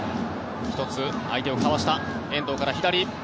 １つ、相手をかわした遠藤から左。